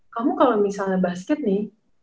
kamu kalau misalnya basket nih